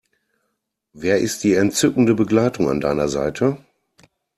Wer ist die entzückende Begleitung an deiner Seite?